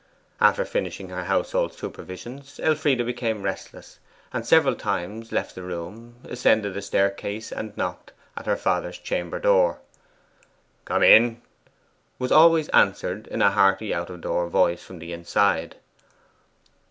After finishing her household supervisions Elfride became restless, and several times left the room, ascended the staircase, and knocked at her father's chamber door. 'Come in!' was always answered in a hearty out of door voice from the inside.